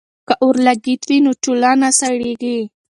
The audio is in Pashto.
که اورلګیت وي نو چولہ نه سړیږي.